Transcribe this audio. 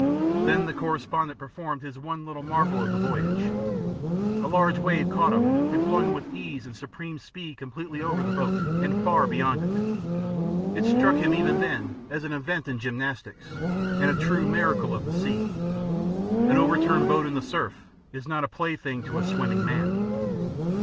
Then the correspondent performed his one little marvel of the voyage. A large wave caught him and flung him with ease and supreme speed completely over the boat and far beyond it. It struck him even then as an event in gymnastics, and a true miracle of the sea. An over turned boat in the surf is not a plaything to a swimming man.